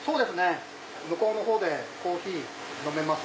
向こうの方でコーヒー飲めます。